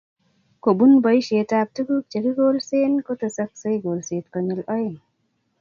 Kobun boisietab tuguk chekigolse kotesoksei kolet konyil oeng